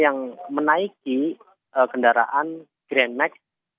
yang menaiki kendaraan grand max